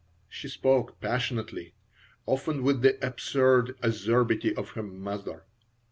She spoke passionately, often with the absurd acerbity of her mother.